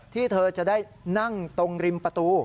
เธอจะได้นั่งตรงริมประตู